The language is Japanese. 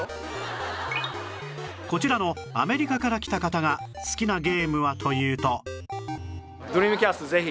こちらのアメリカから来た方が好きなゲームはというと